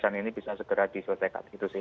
dan ini bisa segera diselesaikan gitu sih